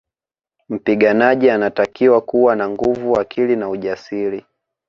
Mpiganaji anatakiwa kuwa na nguvu akili na ujasiri